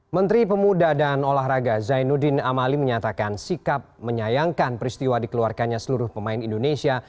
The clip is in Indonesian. menteri pemuda dan olahraga zainuddin amali menyatakan sikap menyayangkan peristiwa dikeluarkannya seluruh pemain indonesia